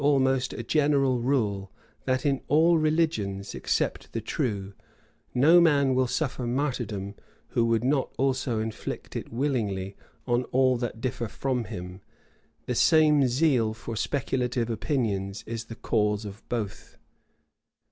It seems to be almost a general rule, that in all religions, except the true, no man will suffer martyrdom who would not also inflict it willingly on all that differ from him. The same zeal for speculative opinions is the cause of both.